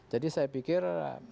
jadi saya pikir